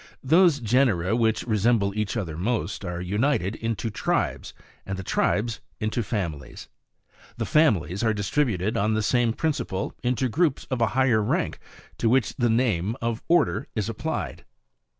5. Those genera which resemble each other most, are united into TRIBES, and the tribes into FAMILIES. 6. The families are distributed on the same principle, into groups, of a higher rank to which the name of ORDER is applied.